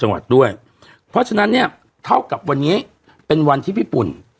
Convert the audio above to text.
จังหวัดด้วยเพราะฉะนั้นเนี่ยเท่ากับวันนี้เป็นวันที่พี่ปุ่น